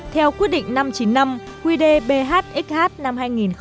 theo quy định năm trăm chín mươi năm quy đề bhxh năm hai nghìn một mươi bảy